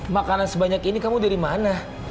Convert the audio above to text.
makanan sebanyak ini kamu dari mana